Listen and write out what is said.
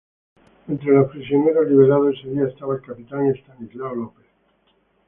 Entre los prisioneros liberados ese día estaba el capitán Estanislao López.